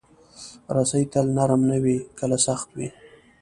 رسۍ تل نرم نه وي، کله سخت وي.